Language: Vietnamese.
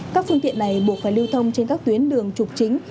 các phương tiện này buộc phải lưu thông trên các tuyến đường trục chính